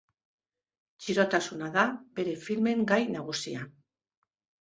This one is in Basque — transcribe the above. Txirotasuna da bere filmen gai nagusia.